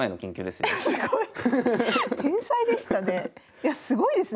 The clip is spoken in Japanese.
いやすごいですね